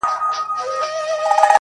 څه افسون دی پر لوېدلی آیینه هغسي نه ده -